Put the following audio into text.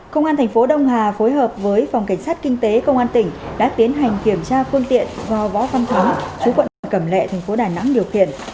công an tp đông hà phối hợp với phòng cảnh sát kinh tế công an tỉnh đã tiến hành kiểm tra phương tiện do võ phân thống chú quận cẩm lệ tp đà nẵng điều khiển